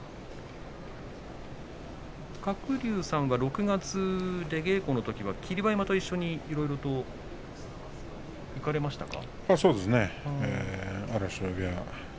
鶴竜さんは６月、出稽古のときは霧馬山と一緒にいろいろと行かれましたか？